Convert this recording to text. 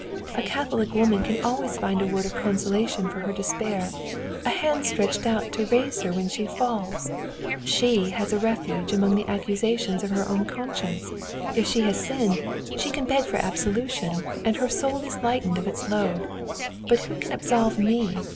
A Catholic woman can always find a word of consolation for her despair, a hand stretched out to raise her when she falls; she has a refuge against the accusations of her own conscience; if she has sinned, she can beg for absolution, and her soul is lightened of its load. But who can absolve me?